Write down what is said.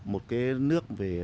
một cái nước về